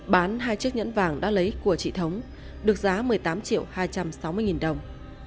bán hai chiếc nhẫn vàng đã lấy của chị thống được giá một mươi tám triệu hai trăm sáu mươi nghìn đồng